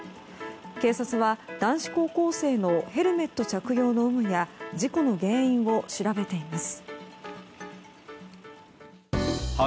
警察は男子高校生のヘルメット着用の有無や事故の原因を調べています。